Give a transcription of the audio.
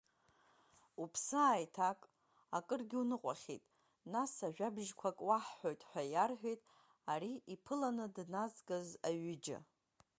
Уԥсы ааиҭак, акыргьы уныҟәахьеит, нас ажәабжьқәак уаҳҳәоит ҳәа иарҳәеит ари иԥыланы дназгаз аҩыџьа.